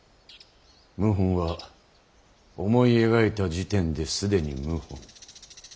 謀反は思い描いた時点で既に謀反。